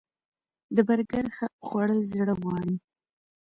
د برګر خوړل زړه غواړي